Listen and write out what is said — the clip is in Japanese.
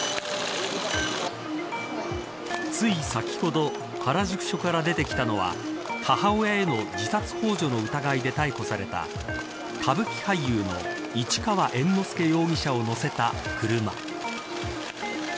つい先ほど原宿署から出てきたのは母親への自殺ほう助の疑いで逮捕された歌舞伎俳優の市川猿之助容疑者を乗せた車。